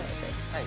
はい！